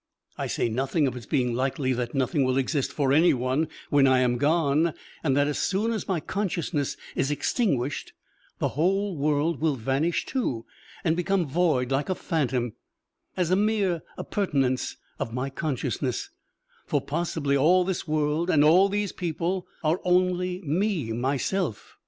I say nothing of its being likely that nothing will exist for any one when I am gone, and that as soon as my consciousness is extinguished the whole world will vanish too and become void like a phantom, as a mere appurtenance of my consciousness, for possibly all this world and all these people are only me myself.